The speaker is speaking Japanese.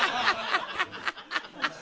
ハハハハ！